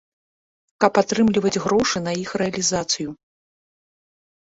Каб атрымліваць грошы на іх рэалізацыю.